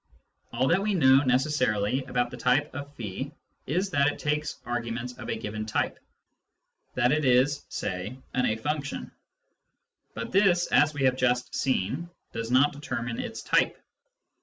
All that we know necessarily about the type of is that it takes arguments of a given type — that it is (say) an a function. But this, as we have just seen, does not determine its type.